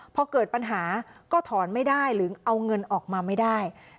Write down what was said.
พอเกิดปัญหาก็ถอนไม่ได้หรือเอาเงินออกมาไม่ได้